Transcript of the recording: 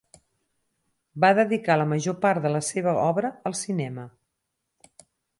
Va dedicar la major part de la seva obra al cinema.